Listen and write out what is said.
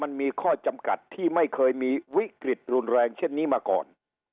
มันมีข้อจำกัดที่ไม่เคยมีวิกฤตรุนแรงเช่นนี้มาก่อน